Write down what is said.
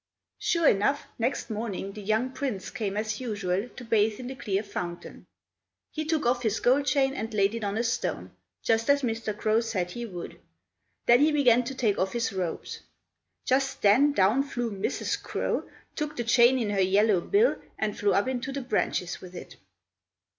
Sure enough, next morning the young Prince came as usual to bathe in the clear fountain. He took off his gold chain and laid it on a stone, just as Mr. Crow said he would; then he began to take off his robes. Just then down flew Mrs. Crow, took the chain in her yellow bill, and flew up into the branches with it.